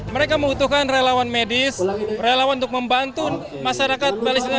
mereka membutuhkan relawan medis relawan untuk membantu masyarakat palestina